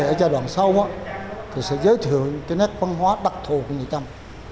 trong đoạn sau thì sẽ giới thiệu cái nét văn hóa đặc thù của người trăm